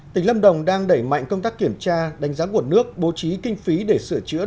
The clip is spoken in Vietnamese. tỉnh lâm đồng đang đẩy mạnh công tác kiểm tra đánh giá nguồn nước bố trí kinh phí để sửa chữa